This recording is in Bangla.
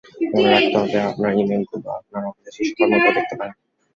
মনে রাখতে হবে আপনার ইমেইলগুলো আপনার অফিসের শীর্ষ কর্মকর্তাও দেখতে পারেন।